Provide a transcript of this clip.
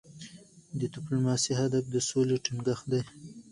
د ډيپلوماسی هدف د سولې ټینګښت دی.